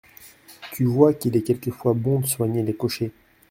Tu vois qu’il est quelquefois bon de soigner les cochers.